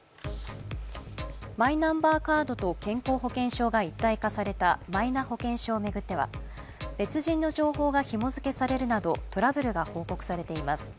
マイナンバーカードと健康保険証が一体化されたマイナ保険証を巡っては別人の情報がひも付けされるなどトラブルが報告されています。